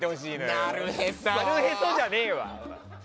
なるへそじゃねえわ！